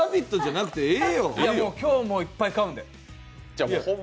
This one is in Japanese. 今日はもういっぱい買うんで。